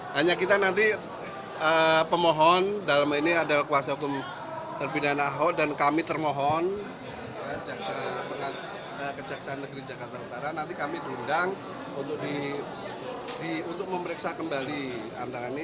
hanya kita nanti pemohon dalam ini adalah kuasa hukum terpidana ahok dan kami termohon kejaksaan negeri jakarta utara nanti kami diundang untuk memeriksa kembali antara ini